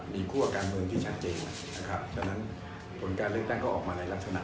มีคั่วการเมืองที่ชัดเจนนะครับฉะนั้นผลการเลือกตั้งก็ออกมาในลักษณะ